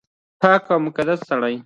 پاک او مقدس سړی